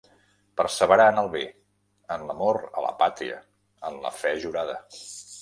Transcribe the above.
Perseverar en el bé, en l'amor a la pàtria, en la fe jurada.